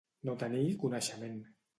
No tenir coneixement.